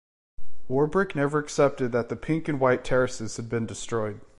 Warbrick never accepted that the Pink and White Terraces had been destroyed.